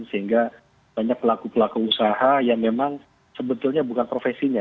sehingga banyak pelaku pelaku usaha yang memang sebetulnya bukan profesinya